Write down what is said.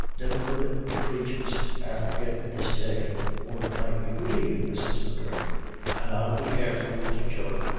Niver a bit the cratur's after gittin' this day." Or it might be :" Good evenin', then, Mrs. M'Gurk, and I'll be careful wid your jug.